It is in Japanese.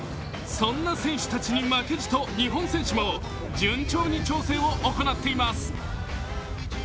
そんな選手たちに負けじと日本選手も順調に調整を行っています。